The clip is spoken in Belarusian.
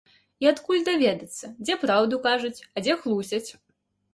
І адкуль даведацца, дзе праўду кажуць, а дзе хлусяць?